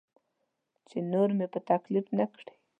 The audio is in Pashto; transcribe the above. چې نور مې په تکلیف نه کړي.